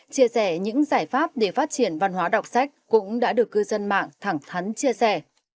chia sẻ những giải pháp để phát triển văn hóa đọc sách cũng đã được cư dân mạng thẳng thắn chia sẻ